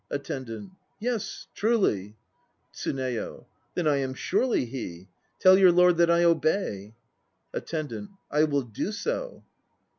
ATTENDANT. Yes, truly. TSUNEYO. Then I am surely he. Tell your lord that I obey. ATTENDANT. I will do so.